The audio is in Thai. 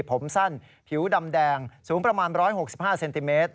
ผมสั้นผิวดำแดงสูงประมาณ๑๖๕เซนติเมตร